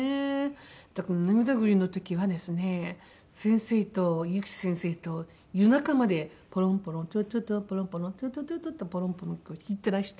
だから『なみだ恋』の時はですね先生と悠木先生と夜中までポロンポロントゥトゥトゥポロンポロントゥトゥトゥトゥポロンポロンこう弾いてらして。